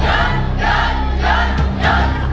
หยุดหยุดหยุด